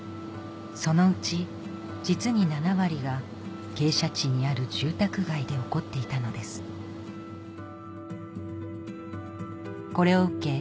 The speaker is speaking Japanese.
そのうち実に７割が傾斜地にある住宅街で起こっていたのですこれを受け